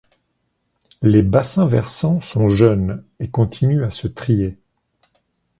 Les bassins versants sont jeunes et continuent à se trier.